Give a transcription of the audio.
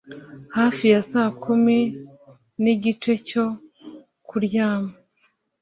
hafi ya saa kumi. nigihe cyo kuryama